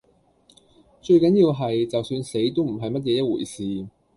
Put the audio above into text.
最緊要係，就算死都唔係乜嘢一回事。